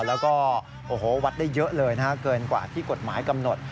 แล้วก็โอ้โหวัดได้เยอะเลยนะฮะเกินกว่าที่กฎหมายกำหนด